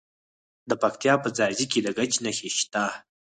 د پکتیا په ځاځي کې د ګچ نښې شته.